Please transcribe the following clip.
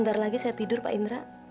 tak tahu diri itu